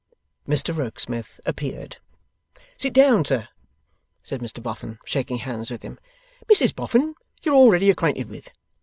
Mr Rokesmith appeared. 'Sit down, sir,' said Mr Boffin, shaking hands with him. 'Mrs Boffin you're already acquainted with.